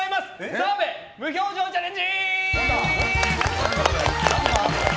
澤部無表情チャレンジ！